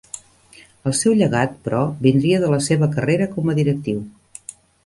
El seu llegat, però, vindria de la seva carrera com a directiu.